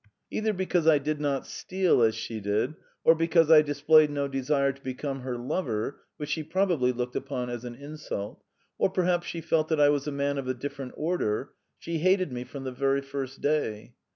Either because I did not steal as she did, or because I displayed no desire to become her lover, which she probably looked upon as an insult, or perhaps because she felt that I was a man of a different order, she hated me from the first day.